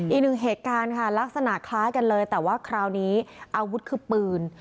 อีกหนึ่งเหตุการณ์ค่ะลักษณะคล้ายกันเลยแต่ว่าคราวนี้อาวุธคือปืน